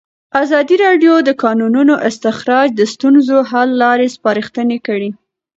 ازادي راډیو د د کانونو استخراج د ستونزو حل لارې سپارښتنې کړي.